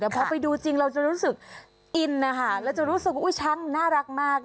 แต่พอไปดูจริงเราจะรู้สึกอินนะคะเราจะรู้สึกว่าช้างน่ารักมาก